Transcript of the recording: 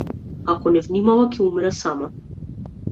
Ако не внимава ќе умре сама.